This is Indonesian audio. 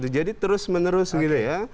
jadi terus menerus gitu ya